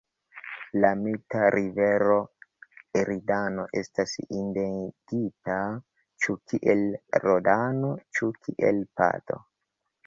La mita rivero Eridano estas identigita ĉu kiel Rodano, ĉu kiel Pado.